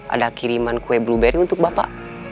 ada kiriman kue blueberry untuk bapak